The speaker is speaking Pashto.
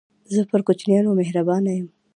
زه پر کوچنيانو مهربانه يم.